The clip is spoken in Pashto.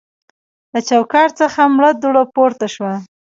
له چوکاټ څخه مړه دوړه پورته شوه.